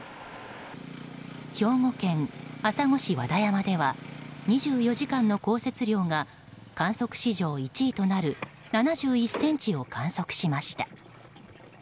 兵庫県朝来市和田山では２４時間の降雪量が観測史上１位となる７１ｃｍを観測しました。